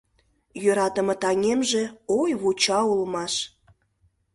Йӧратыме таҥемже, ой, вуча улмаш.